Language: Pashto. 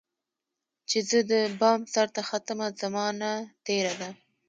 چي زه دبام سرته ختمه، زمانه تیره ده